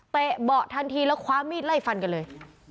เบาะทันทีแล้วคว้ามีดไล่ฟันกันเลย